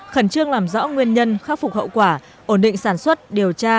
khẩn trương làm rõ nguyên nhân khắc phục hậu quả ổn định sản xuất điều tra